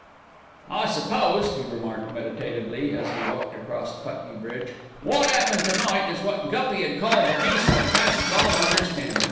"I suppose," he remarked meditatively as he walked across Putney Bridge, "wot 'appened to night is wot Guppy 'ud call 'the peace wot passes all understandin'.'"